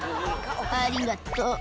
「ありがとう」